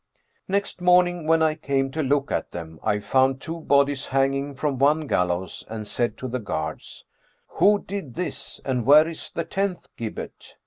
Next morning when I came to look at them, I found two bodies hanging from one gallows and said to the guards, 'Who did this, and where is the tenth gibbet?'